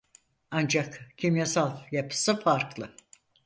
Ancak kimyasal yapısı farklı.